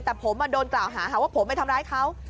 แต่ผมโดนกล่าวหาหาว่าผมไปทำร้ายเขา